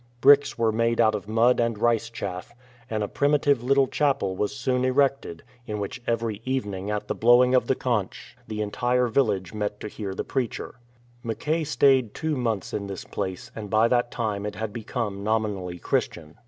Bricks were made out of mud and rice chaff, and a primitive little chapel was soon erected, in which every evening at the blowing of the 70 CHAPELS IN THE PLAIN conch the entire village met to hear the preacher. Mac kay stayed two months in this place, and by that time it had become nominally Christian.